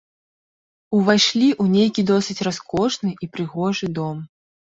Увайшлі ў нейкі досыць раскошны і прыгожы дом.